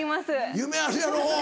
夢あるやろ。